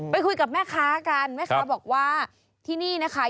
ไปคุยกับแม่ค้ากันแม่ค้าบอกว่าที่นี่นะคะ